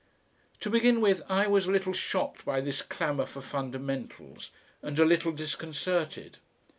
To begin with, I was a little shocked by this clamour for fundamentals and a little disconcerted.